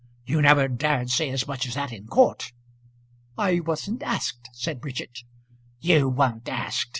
You never dared say as much as that in court." "I wasn't asked," said Bridget. "You weren't asked!